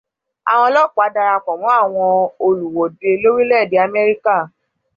Àwọn ọlọ́pàá darapọ̀ mọ́ àwọn olùwọ́de lórílẹ̀èdè Amẹ́ríkà.